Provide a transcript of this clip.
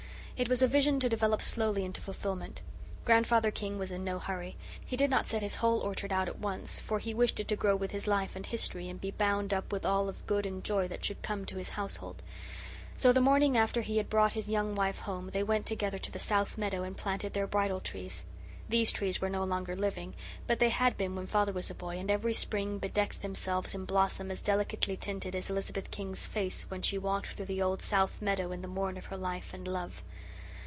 It was a vision to develop slowly into fulfilment. Grandfather King was in no hurry. He did not set his whole orchard out at once, for he wished it to grow with his life and history, and be bound up with all of good and joy that should come to his household. So the morning after he had brought his young wife home they went together to the south meadow and planted their bridal trees. These trees were no longer living; but they had been when father was a boy, and every spring bedecked themselves in blossom as delicately tinted as Elizabeth King's face when she walked through the old south meadow in the morn of her life and love.